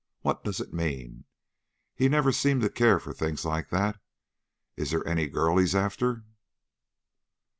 What does it mean? He never seemed to care for things like that. Is there any girl he is after?"